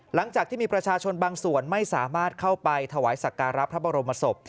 หลังจากที่มีประชาชนบางส่วนไม่สามารถเข้าไปถวายสักการะพระบรมศพ